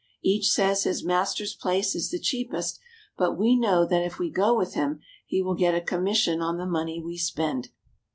Each says his master's place is the cheapest, but we know that if we go with him he will get a commission on the money we spend.